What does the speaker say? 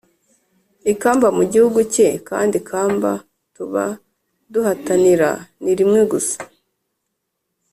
ikamba mu gihugu cye kandi ikamba tuba duhatanira ni rimwe gusa."